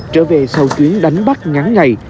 trở về sau chuyến đánh bắt ngắn ngày